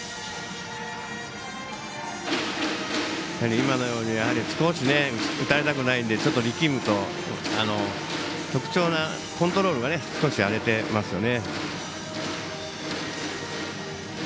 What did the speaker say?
今のように打たれたくないのでちょっと力むとコントロールが少し荒れてきますね。